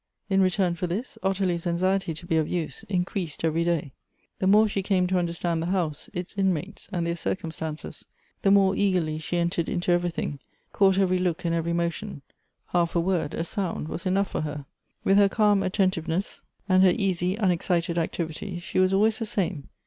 In return for this, Ottilie's anxiety to be of use increased every day ; the more she came to understand the liouse, its inmates, and their circumstances, the more eagerly she entered into everything, caught every look and every motion ; half a word, a sound, was' enough for her. With her calm attentiveness, and her easy, unexcited activity, she was always the same.